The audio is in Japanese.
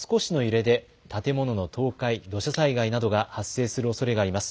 このあとも少しの揺れで建物の倒壊や土砂災害などが発生するおそれがあります。